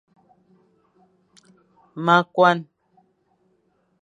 Ma koan.